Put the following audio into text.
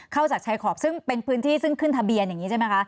เข้าจากชายขอบซึ่งเป็นพื้นที่ซึ่งขึ้นทะเบียนอย่างนี้ใช่ไหมคะ